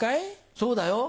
そうだよ。